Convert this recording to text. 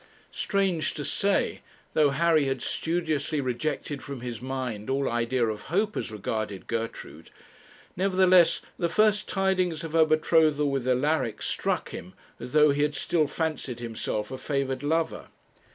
Strange to say, though Harry had studiously rejected from his mind all idea of hope as regarded Gertrude, nevertheless the first tidings of her betrothal with Alaric struck him as though he had still fancied himself a favoured lover.